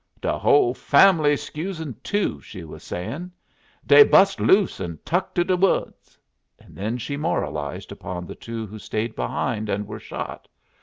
"De hole family, scusin' two," she was saying, "dey bust loose and tuck to de woods." And then she moralized upon the two who stayed behind and were shot.